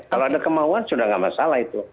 kalau ada kemauan sudah tidak masalah itu